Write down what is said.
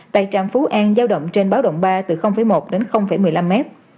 tại trạm phú an giao động trên báo động ba từ một đến một mươi năm m